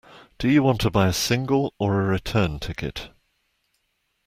Do you want to buy a single or a return ticket?